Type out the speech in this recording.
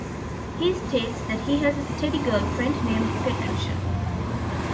He states that he has a steady girlfriend named Petrusha.